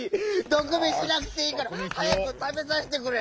どくみしなくていいからはやくたべさせてくれ！